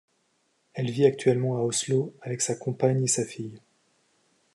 Elle vit actuellement à Oslo avec sa compagne et sa fille.